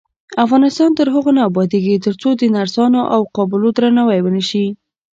افغانستان تر هغو نه ابادیږي، ترڅو د نرسانو او قابلو درناوی ونشي.